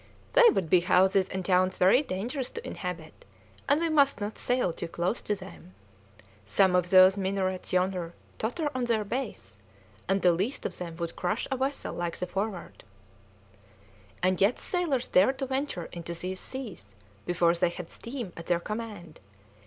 "They would be houses and towns very dangerous to inhabit, and we must not sail too close to them. Some of those minarets yonder totter on their base, and the least of them would crush a vessel like the Forward." "And yet sailors dared to venture into these seas before they had steam at their command!